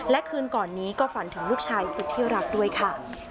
และคืนก่อนนี้ก็ฝันถึงลูกชายสุดที่รักด้วยค่ะ